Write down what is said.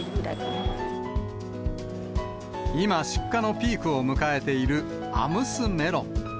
今、出荷のピークを迎えているアムスメロン。